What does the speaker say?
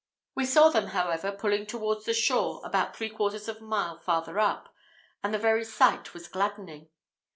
We saw them, however, pulling towards the shore about three quarters of a mile farther up, and the very sight was gladdening.